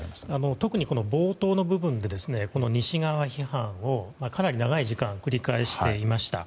特に、冒頭の部分で西側批判をかなり長い時間繰り返していました。